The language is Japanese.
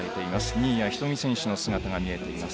新谷仁美選手の姿が見えています。